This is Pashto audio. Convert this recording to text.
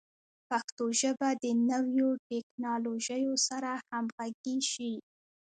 پښتو ژبه د نویو ټکنالوژیو سره همغږي شي.